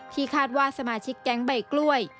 คาดว่าสมาชิกแก๊งใบกล้วย